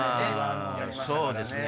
そうですね。